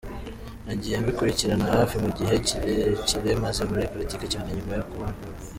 Nagiye mbikurikiranira hafi mu gihe kirekire maze muri politiki cyane nyuma yo kubohora igihugu.